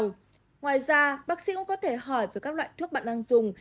ngoài ra bác sĩ cũng có thể hỏi về các loại thuốc bạn đang dùng